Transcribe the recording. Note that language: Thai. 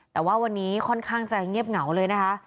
แต่ว่าวันนี้ค่อนข้างจะเงียบเหงาเลยนะคะ